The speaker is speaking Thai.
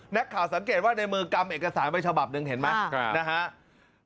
นักข่าวสังเกตว่าในมือกำเอกสารไปฉบับหนึ่งเห็นไหมนะครับ